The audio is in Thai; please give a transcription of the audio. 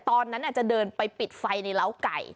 ตอนนั้นจะเดินไปปิดไฟในร้าวไก่